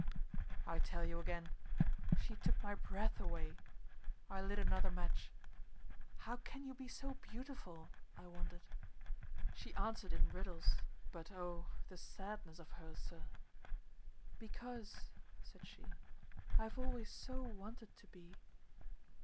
I tell you again, she took my breath away. I lit another match. "How can you be so beautiful?" I wondered. She answered in riddles but oh, the sadness of her, sir. "Because," said she, "I've always so wanted to be."